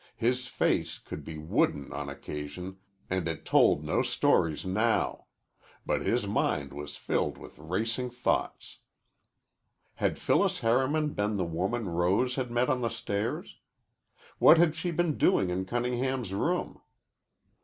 His face could be wooden on occasion, and it told no stories now. But his mind was filled with racing thoughts. Had Phyllis Harriman been the woman Rose had met on the stairs? What had she been doing in Cunningham's room?